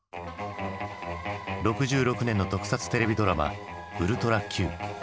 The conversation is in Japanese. ６６年の特撮テレビドラマ「ウルトラＱ」。